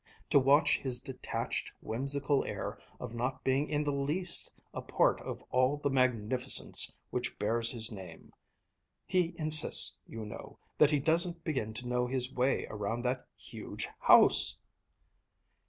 To watch his detached, whimsical air of not being in the least a part of all the magnificence which bears his name. He insists, you know, that he doesn't begin to know his way around that huge house!"